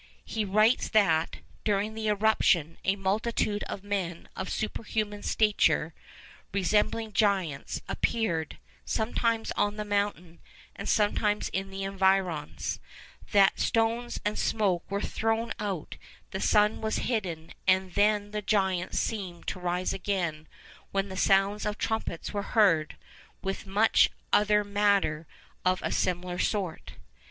He writes that, 'during the eruption, a multitude of men of superhuman stature, resembling giants, appeared, sometimes on the mountain, and sometimes in the environs; that stones and smoke were thrown out, the sun was hidden, and then the giants seemed to rise again, while the sounds of trumpets were heard'—with much other matter of a similar sort.